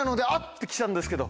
て来たんですけど。